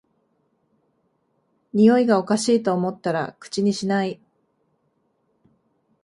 においがおかしいと思ったら口にしない